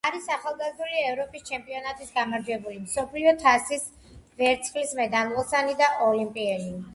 არის ახალგაზრდული ევროპის ჩემპიონატის გამარჯვებული, მსოფლიო თასის ვერცხლის მედალოსანი და ოლიმპიელი.